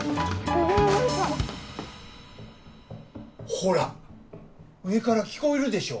ほら上から聞こえるでしょ。